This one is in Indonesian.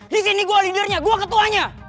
disini gue lidernya gue ketuanya